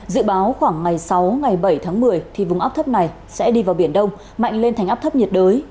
dự báo khoảng ngày sáu ngày bảy tháng một mươi thì vùng áp thấp này sẽ đi vào biển đông mạnh lên thành áp thấp nhiệt đới